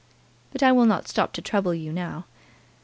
But I will not stop to trouble you now.